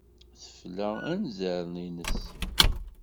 Tefla anzaren-nnes.